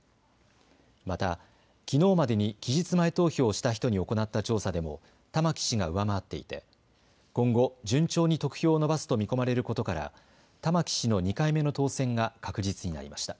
また、きのうまでに期日前投票をした人に行った調査でも玉城氏が上回っていて今後、順調に得票を伸ばすと見込まれることから玉城氏の２回目の当選が確実になりました。